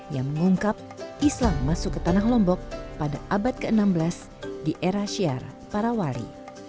yang mengungkap islam masuk ke tanah lombok pada abad ke enam belas di era syiar parawari